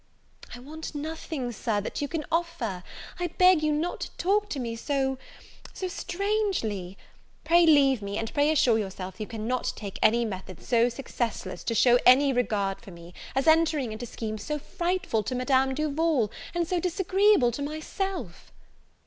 "I want nothing, Sir, that you can offer; I beg you not to talk to me so so strangely. Pray leave me; and pray assure yourself you cannot take any method so successless to show any regard for me, as entering into schemes so frightful to Madame Duval, and so disagreeable to myself."